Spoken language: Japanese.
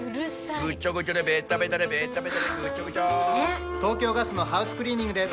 ぐちょ東京ガスのハウスクリーニングです